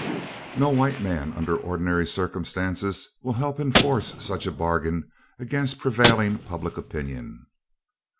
No white man under ordinary circumstances will help enforce such a bargain against prevailing public opinion."